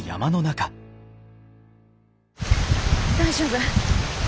大丈夫。